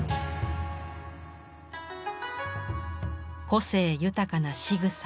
個性豊かなしぐさや表情。